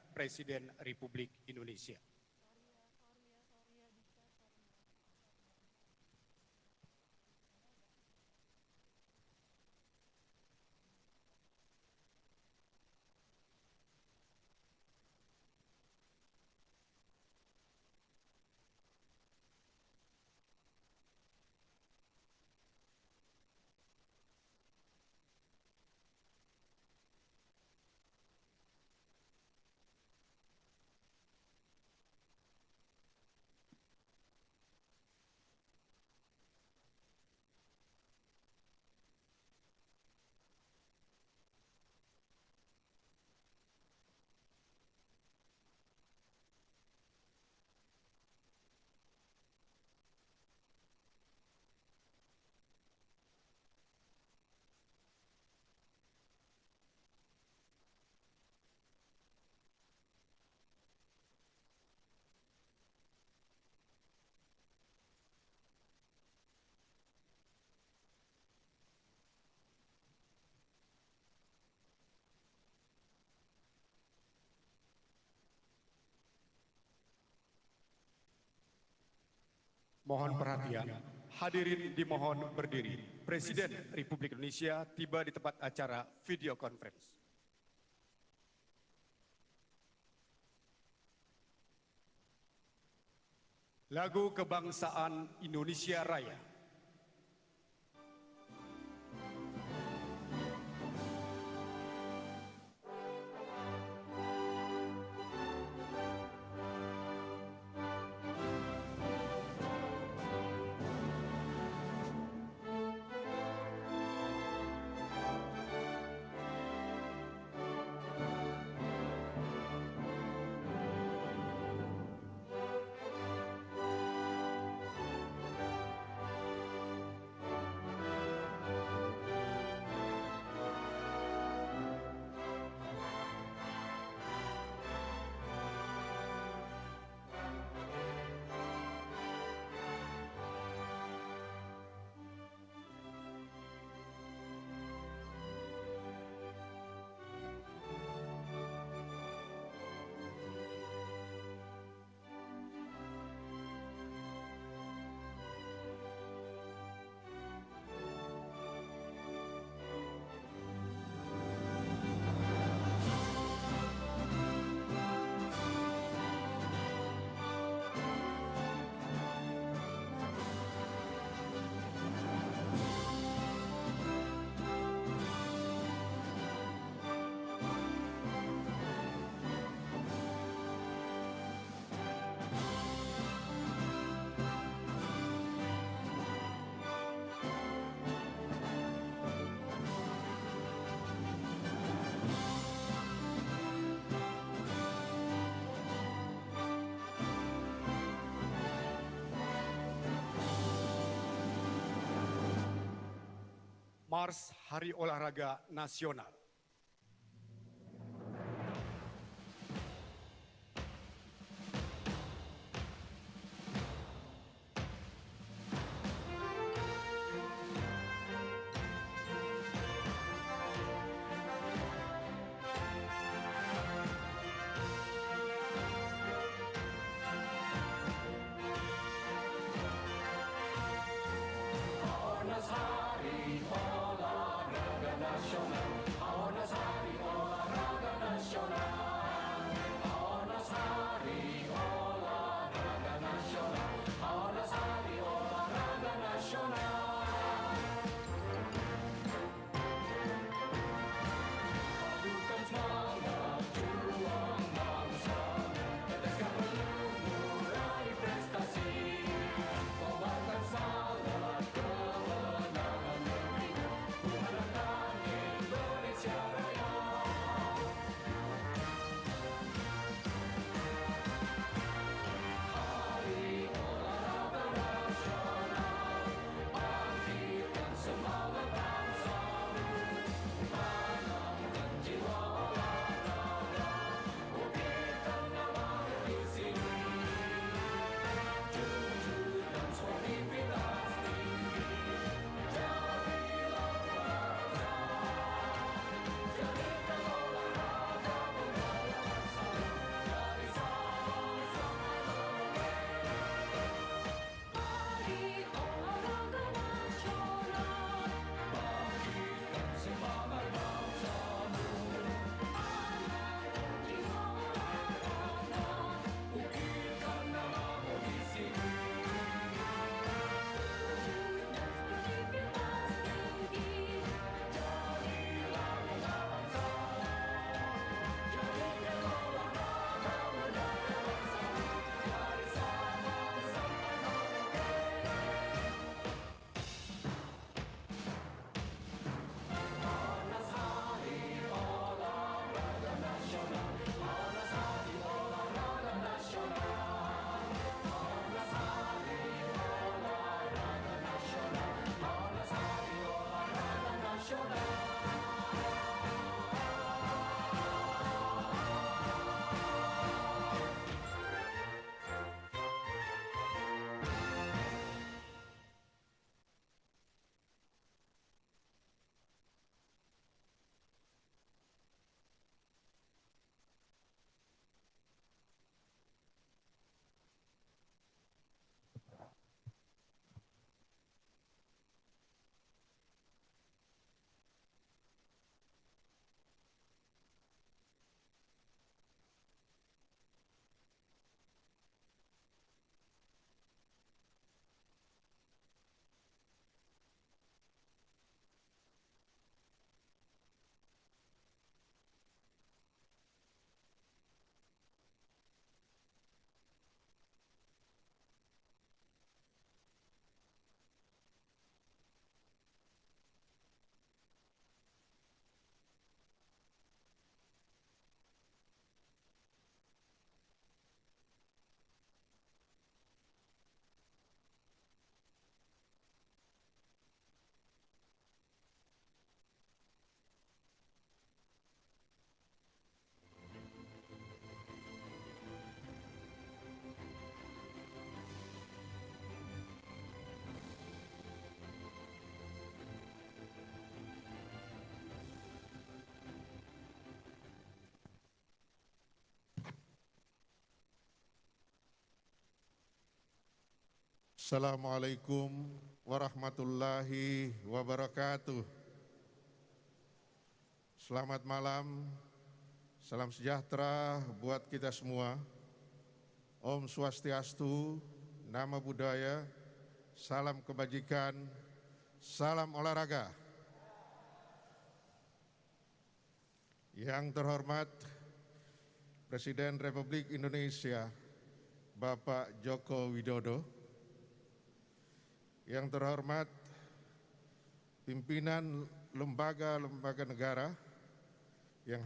harusnya kejadiannya hari ini tapi kayak apa kabar karena pandemi ya sudah